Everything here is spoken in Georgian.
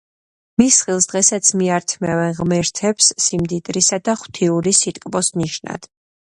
მის ხილს დღესაც მიართმევენ ღმერთებს სიმდიდრისა და ღვთიური სიტკბოს ნიშნად.